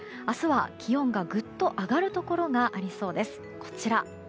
明日は気温がぐっと上がるところがありそうです。